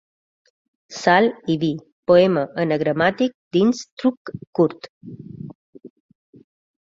«Sal i vi», poema anagramàtic dins Truc curt.